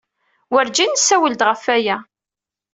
Wurǧin nessawel-d ɣef waya.